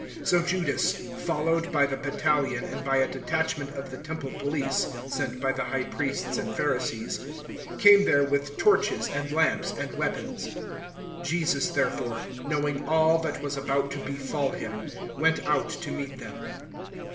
018:003 So Judas, followed by the battalion and by a detachment of the Temple police sent by the High Priests and Pharisees, came there with torches and lamps and weapons. 018:004 Jesus therefore, knowing all that was about to befall Him, went out to meet them.